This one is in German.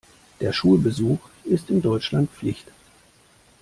Der Schulbesuch ist in Deutschland Pflicht.